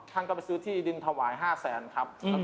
ทั้งก็ไปซื้อที่ดินถวาย๕๐๐๐๐๐บาทครับ